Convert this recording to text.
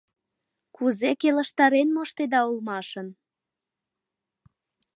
Кузе келыштарен моштеда улмашын.